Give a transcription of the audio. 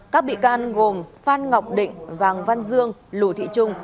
các bị can gồm phan ngọc định vàng văn dương lù thị trung